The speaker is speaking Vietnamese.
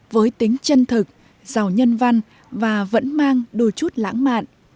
với tính chân thực giàu nhân văn và vẫn mang đôi chút lãng mạn